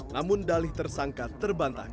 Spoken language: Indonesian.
namun dalih tersangka terbantahkan